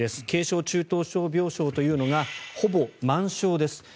軽症・中等症病床というのはほぼ満床です。